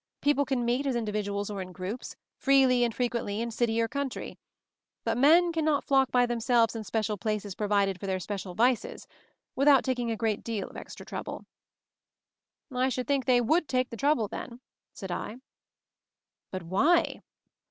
People can meet, as individuals or in groups, freely and fre quently, in city or country. But men can not flock by themselves in special places provided for their special vices — without taking a great deal of extra trouble." "I should think they would take the trouble, then," said I. "But why?